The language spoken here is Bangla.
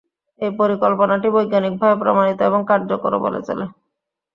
এই পরিকল্পনাটি বৈজ্ঞানিকভাবে প্রমাণিত এবং কার্যকরও বলে চলে।